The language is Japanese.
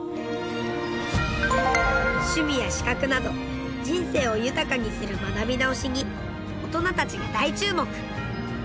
趣味や資格など人生を豊かにする学び直しに大人たちが大注目。